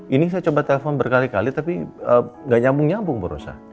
ini saya coba telepon berkali kali tapi gak nyambung nyambung bu rosa